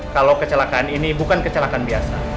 kalau kecelakaan ini bukan kecelakaan biasa